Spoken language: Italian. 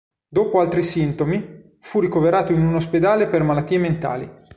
Dopo altri sintomi, fu ricoverato in un ospedale per malattie mentali.